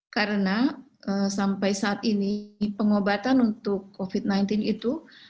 karena sampai saat ini pengobatan untuk covid sembilan belas itu